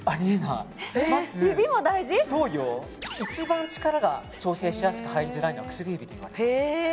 一番力が調整しやすく入りづらいのは薬指と言われています。